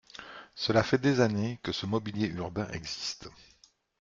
Cela fait des années que ce mobilier urbain existe.